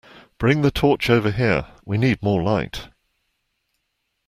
Bring the torch over here; we need more light